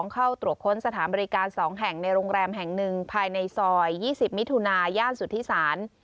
เข้าตรวจค้นสถานบริการ๒แห่งในโรงแรมแห่งหนึ่งภายในซอย๒๐มิถุนาย่านสุธิศาล